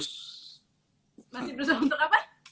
masih berusaha untuk apa